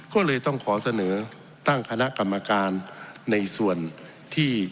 ก็เลยต้องขอเสนอตั้งคณะกรรมการในส่วนที่